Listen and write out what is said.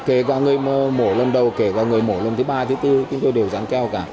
kể cả người mổ lần đầu kể vào người mổ lần thứ ba thứ tư chúng tôi đều dán keo cả